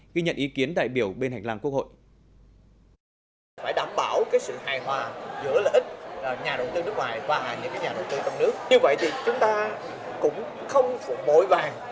ghi nhận ý kiến đại biểu bên hạch làng quốc hội